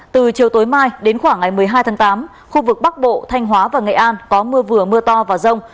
từ chiều tối mai đến khoảng ngày một mươi hai tháng tám khu vực bắc bộ thanh hóa và nghệ an có mưa vừa mưa to và rông